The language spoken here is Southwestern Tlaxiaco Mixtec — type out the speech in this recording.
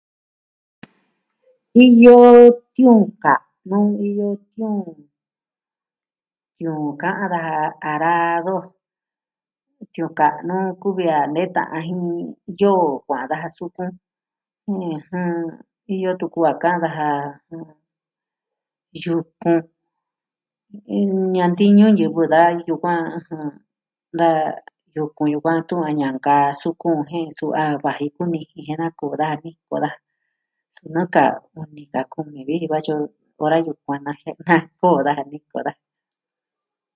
Iyo tiuun ka'nu, iyo tiuun... tiuun ka'an daja arado. Tiuun ka'nu kuvi a nee ta'an jin yoo, kua'an daja sukun. ɨjɨn... Iyo tuku a ka'an daja... yuku. Iin ñantiñu ñivɨ da yukuan... jɨn... da yuku yukuan tun a ñankaa sukun jen suu a vaji kumi iin jia'a naku daa niko daa. Tun nuu ka uni ka kumi vi katyi o. Va na yukuan najie naa koo daja niko daa.